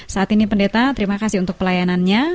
saat ini pendeta terima kasih untuk pelayanannya